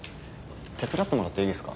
手伝ってもらっていいですか？